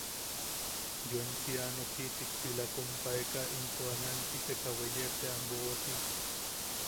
Yoeme si anokiʼichik pila koʼompaeka into a nankiseka weye tea boʼochi.